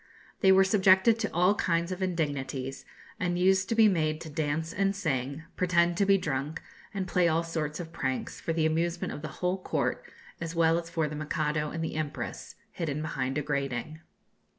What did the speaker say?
They were subjected to all kinds of indignities, and used to be made to dance and sing, pretend to be drunk, and play all sorts of pranks, for the amusement of the whole court as well as for the Mikado and the empress, hidden behind a grating.